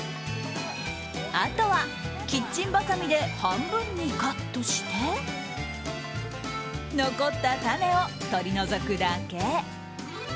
あとはキッチンばさみで半分にカットして残った種を取り除くだけ。